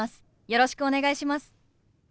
よろしくお願いします。